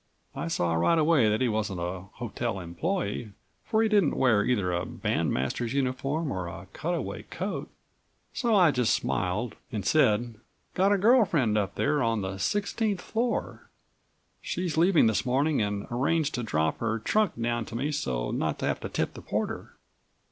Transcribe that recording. I saw right away that he wasn't a hotel employee for he didn't wear either a bandmaster's uniform nor a cutaway coat, so I just smiled and said: "Got a girl friend up there on the sixteenth floor. She's leaving this morning and arranged to drop her trunk down to me so's not to have to tip the porter.